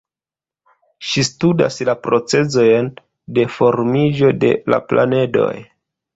Ŝi studas la procezojn de formiĝo de la planedoj.